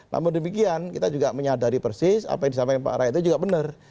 namun demikian kita juga menyadari persis apa yang disampaikan pak rakyat itu juga benar